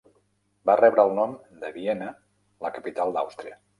Va rebre el nom de Viena, la capital d'Àustria.